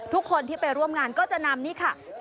ทุกคนที่ไปร่วมงานก็จะนำนี่ค่ะ